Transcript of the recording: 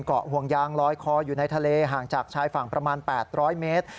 เกาะห่วงยางลอยคออยู่ในทะเลห่างจากชายฝั่งประมาณ๘๐๐เมตร